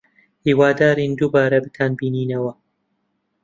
هیوادارین دووبارە بتانبینینەوە.